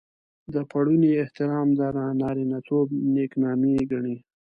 د پړوني احترام د نارينه توب نېکنامي ګڼي.